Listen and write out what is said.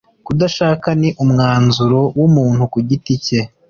kudashaka ni umwanzuro w umuntu ku giti ke